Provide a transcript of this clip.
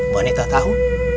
mbak neta tahu